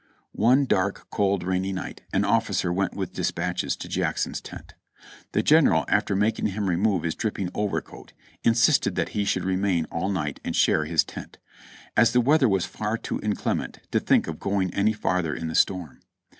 One dark, cold, rainy night an officer went with dispatches to Jackson's tent. The General after making him remove his drip ping overcoat, insisted that he should remain all night and share his tent, as the weather was far too inclement to think of going any farther in the storm.